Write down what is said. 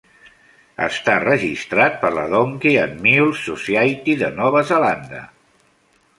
Està registrat per la Donkey and Mule Society de Nova Zelanda.